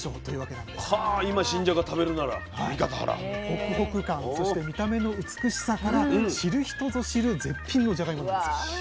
ホクホク感そして見た目の美しさから知る人ぞ知る絶品のじゃがいもなんです。